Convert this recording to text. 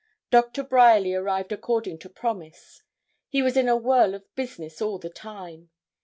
Doctor Bryerly arrived according to promise. He was in a whirl of business all the time.